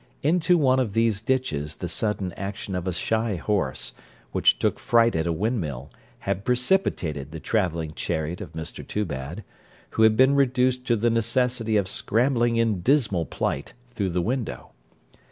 Into one of these ditches the sudden action of a shy horse, which took fright at a windmill, had precipitated the travelling chariot of Mr Toobad, who had been reduced to the necessity of scrambling in dismal plight through the window.